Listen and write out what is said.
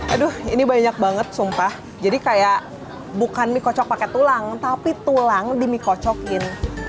aduh ini banyak banget sumpah jadi kayak bukan mie kocok pakai tulang tapi tulang di mie kocokin